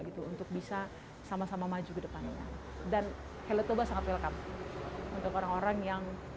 gitu untuk bisa sama sama maju kedepannya dan helo toba sangat welcome untuk orang orang yang